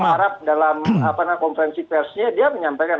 al arab dalam konferensi persisnya dia menyampaikan